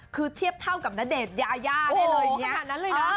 คือเทียบเท่ากับณเดชน์ยาได้เลยโอ้โหขนาดนั้นเลยนะ